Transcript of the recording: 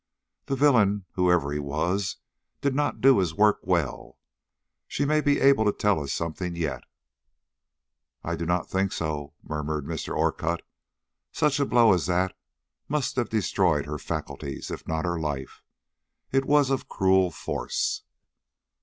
"The villain, whoever he was, did not do his work well; she may be able to tell us something yet." "I do not think so," murmured Mr. Orcutt. "Such a blow as that must have destroyed her faculties, if not her life. It was of cruel force."